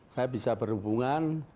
saya bisa berhubungan